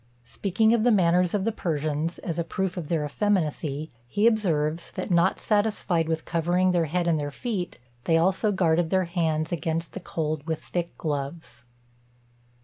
Speaking of the manners of the Persians, as a proof of their effeminacy, he observes, that, not satisfied with covering their head and their feet, they also guarded their hands against the cold with thick gloves.